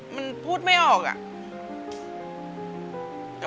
มันพูดไม่ออกอะ